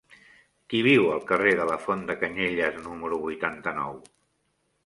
Qui viu al carrer de la Font de Canyelles número vuitanta-nou?